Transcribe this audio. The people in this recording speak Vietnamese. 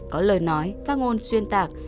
có lời nói phát ngôn xuyên tạc